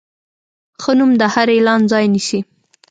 ښه نوم د هر اعلان ځای نیسي.